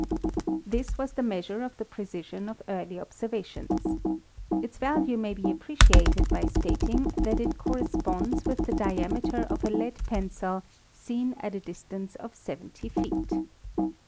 This was the measure of the precision of early observa tions. Its value may be appreciated by stating that it cor responds with the diameter of a lead pencil seen at a dis tance of 70 feet.